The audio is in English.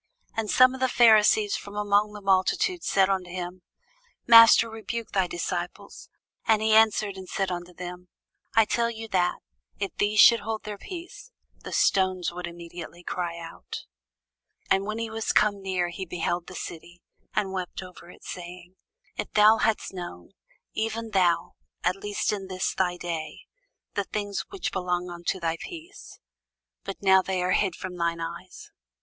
And some of the Pharisees from among the multitude said unto him, Master, rebuke thy disciples. And he answered and said unto them, I tell you that, if these should hold their peace, the stones would immediately cry out. [Sidenote: St. John 12] And when he was come near, he beheld the city, and wept over it, saying, If thou hadst known, even thou, at least in this thy day, the things which belong unto thy peace! but now they are hid from thine eyes.